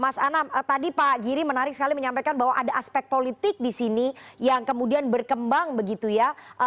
mas anam tadi pak giri menarik sekali menyampaikan bahwa ada aspek politik di sini yang kemudian berkembang begitu ya